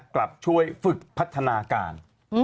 กลับช่วยฝึกพัฒนาการ